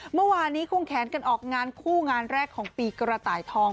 เมื่อวานนี้ควงแขนกันออกงานคู่งานแรกของปีกระต่ายทอง